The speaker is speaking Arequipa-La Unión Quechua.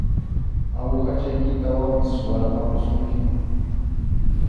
Awuhachaykitawanpas suwarqapusunkiku.